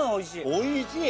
おいしい。